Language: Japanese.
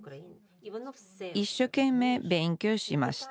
一生懸命勉強しました